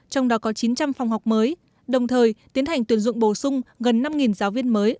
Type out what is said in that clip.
trong đó có chín trăm linh phòng học mới đồng thời tiến hành tuyển dụng bổ sung gần năm giáo viên mới